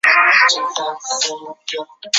他们每天数自己得来的金子。